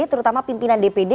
terutama pimpinan dpd